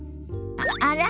あら？